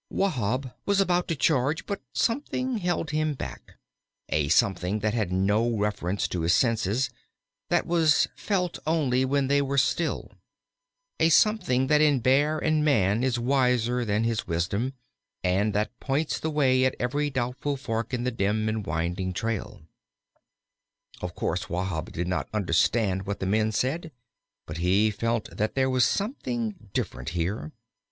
Wahb was about to charge, but something held him back a something that had no reference to his senses, that was felt only when they were still; a something that in Bear and Man is wiser than his wisdom, and that points the way at every doubtful fork in the dim and winding trail. Of course Wahb did not understand what the men said, but he did feel that there was something different here.